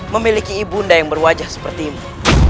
memiliki ibu undamu yang berwajah seperti ibu